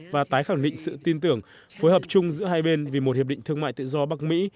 và tái khẳng định sự tin tưởng phối hợp chung giữa hai bên vì một hiệp định thương mại tự do bắc mỹ